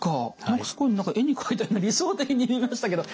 ものすごい絵に描いたような理想的に見えましたけど。